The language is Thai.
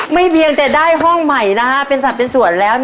เพียงแต่ได้ห้องใหม่เป็นสัตว์เป็นส่วนแล้ว